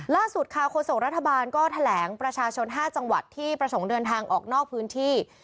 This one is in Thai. ล่าสุดค่ะโฆษกรัฐบาลก็แถลงประชาชน๕จังหวัดที่ประสงค์เดินทางออกนอกพื้นที่